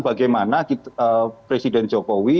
bagaimana presiden jokowi